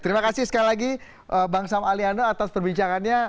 terima kasih sekali lagi bang sam aliano atas perbincangannya